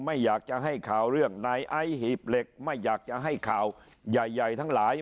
ไม่อยากจะให้ข่าวเรื่องนายไอซ์หีบเหล็กไม่อยากจะให้ข่าวใหญ่ใหญ่ทั้งหลาย